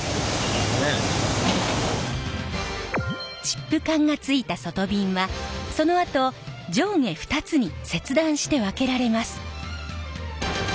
チップ管がついた外びんはそのあと上下２つに切断して分けられます。